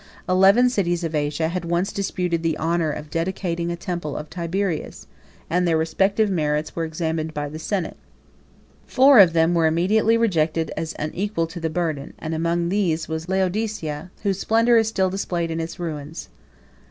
Eleven cities of Asia had once disputed the honor of dedicating a temple of Tiberius, and their respective merits were examined by the senate. 80 Four of them were immediately rejected as unequal to the burden; and among these was Laodicea, whose splendor is still displayed in its ruins.